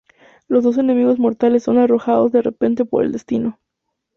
Los dos enemigos mortales son arrojados de repente por el destino.